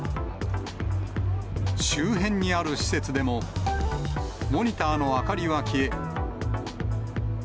周辺にある施設でも、モニターの明かりは消え。